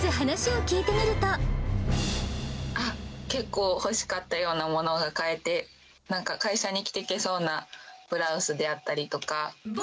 結構欲しかったようなものが買えて、なんか、会社に着てけそうなブラウスであったりとか。